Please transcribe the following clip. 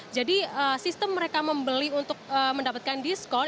jadi sistem mereka membeli untuk mendapatkan diskon